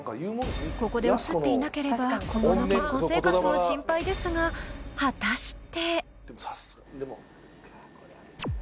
［ここで映っていなければ今後の結婚生活も心配ですが果たして］